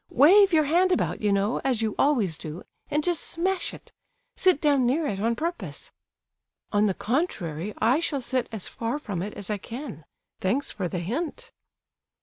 Wave your hand about, you know, as you always do, and just smash it. Sit down near it on purpose." "On the contrary, I shall sit as far from it as I can. Thanks for the hint."